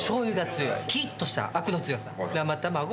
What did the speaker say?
キリッとしたあくの強さ。